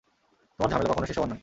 তোমার ঝামেলা কখনো শেষ হবার নয়।